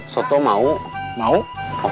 show cara berkumpul saja